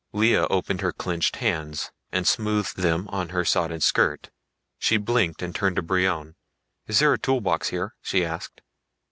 Lea opened her clenched hands and smoothed them on her sodden skirt. She blinked and turned to Brion. "Is there a tool box here?" she asked.